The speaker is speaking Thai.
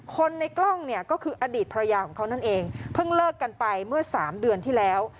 คนในกล้องเนี่ยก็คืออดีตภรรยาของเขานั่นเองเพิ่งเลิกกันไปเมื่อสามเดือนที่แล้ว